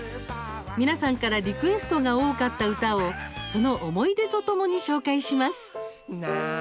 皆さんからリクエストが多かった歌をその思い出とともに紹介します。